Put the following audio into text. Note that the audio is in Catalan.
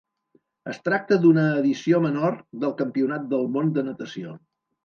Es tracta d'una edició menor del Campionat del Món de natació.